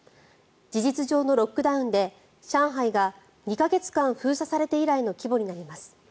事実上のロックダウンで上海が２か月間封鎖されて以来の規模になります。